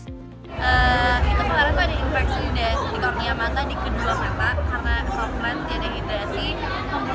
itu karena itu ada infeksi di kornia mata di kedua mata karena soft lens tidak ada iritasi